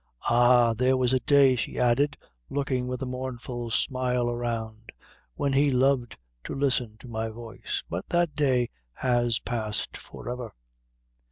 "Ah! there was a day," she added, looking with a mournful smile around, "when he loved to listen to my voice; but that day has passed forever."